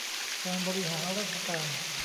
การบริหารราชการ